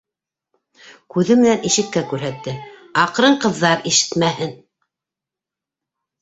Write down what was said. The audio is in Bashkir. Күҙе менән ишеккә күрһәтте: - Аҡрын, ҡыҙҙар ишетмәһен...